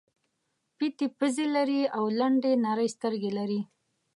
پېتې پزې لري او لنډې نرۍ سترګې لري.